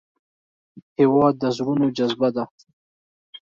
هېواد د زړونو جذبه ده.